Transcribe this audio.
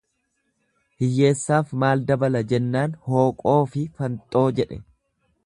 """Hiyyeessaaf maal dabala"" jennaan hooqoofi fanxoo jedhe."